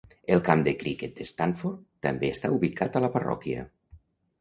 El Camp de Criquet de Stanford també està ubicat a la parròquia.